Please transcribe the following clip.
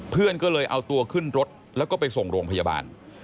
เพื่อนก็เลยเอาตัวขึ้นรถแล้วก็ไปส่งโรงพยาบาล